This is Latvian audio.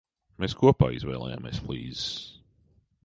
Mēs kopā izvēlējāmies flīzes.